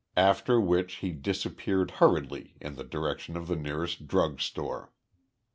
After which he disappeared hurriedly in the direction of the nearest drug store.